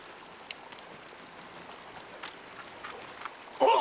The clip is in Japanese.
あっ！